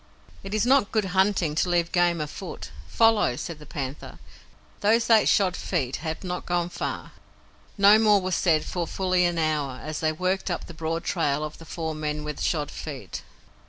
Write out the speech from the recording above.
"It is not good hunting to leave game afoot. Follow!" said the panther. "Those eight shod feet have not gone far." No more was said for fully an hour, as they worked up the broad trail of the four men with shod feet.